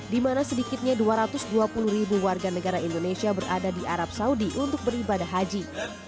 di mana sedikitnya dua ratus dua puluh ribu warga negara indonesia berada di arab saudi untuk beribadah haji